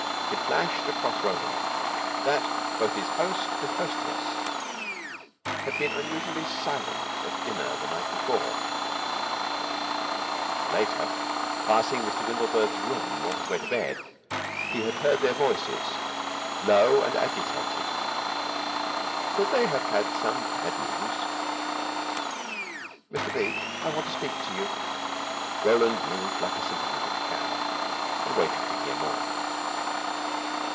It flashed across Roland that both his host and hostess had been unusually silent at dinner the night before; and later, passing Mr. Windlebird's room on his way to bed, he had heard their voices, low and agitated. Could they have had some bad news? "Mr. Bleke, I want to speak to you." Roland moved like a sympathetic cow, and waited to hear more.